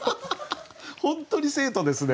本当に生徒ですね。